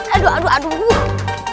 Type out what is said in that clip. aduh aduh aduh